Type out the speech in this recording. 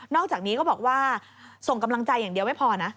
อกจากนี้ก็บอกว่าส่งกำลังใจอย่างเดียวไม่พอนะ